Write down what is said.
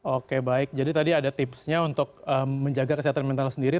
oke baik jadi tadi ada tipsnya untuk menjaga kesehatan mental sendiri